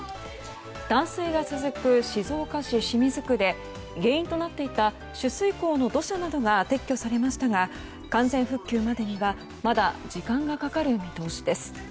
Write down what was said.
断水が続く静岡市清水区で原因となっていた取水口の土砂などが撤去されましたが完全復旧までにはまだ時間がかかる見通しです。